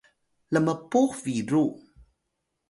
lmpux biru